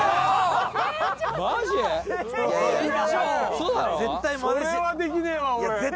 それはできねえわ俺。